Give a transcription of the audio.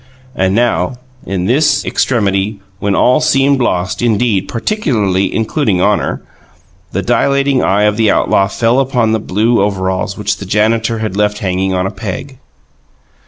And now, in this extremity, when all seemed lost indeed, particularly including honour, the dilating eye of the outlaw fell upon the blue overalls which the janitor had left hanging upon a peg.